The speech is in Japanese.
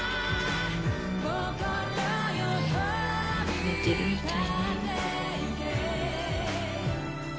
寝てるみたい。